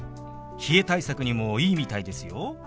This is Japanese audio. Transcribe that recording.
冷え対策にもいいみたいですよ。